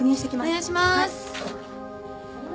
お願いします。